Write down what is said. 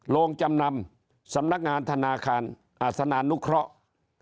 โรงจำนำสำนักงานธนาคารอัศนานุเคราะห์